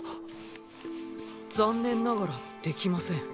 残念ながらできません。